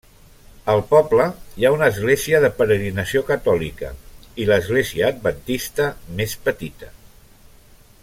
Al poble hi ha una església de peregrinació catòlica i l'Església Adventista més petita.